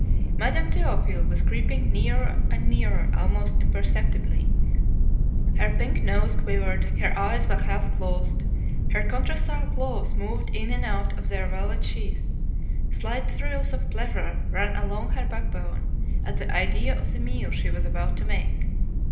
Madame Théophile was creeping nearer and nearer almost imperceptibly; her pink nose quivered, her eyes were half closed, her contractile claws moved in and out of their velvet sheaths, slight thrills of pleasure ran along her backbone at the idea of the meal she was about to make.